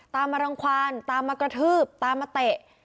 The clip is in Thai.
ตามมารังความตามมากระทืบตามมาเตะ